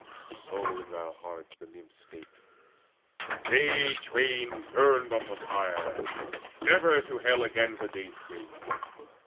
So in their hearts the Nymphs spake: but they twain Burned on the pyre, never to hail again The dayspring.